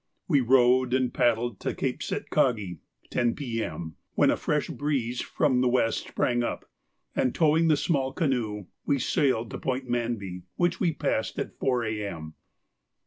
We rowed and paddled to Cape Sitkagi (10 P.M.), when a fresh breeze from the west sprang up, and, towing the small canoe, we sailed to Point Manby, which we passed at 4 A.M.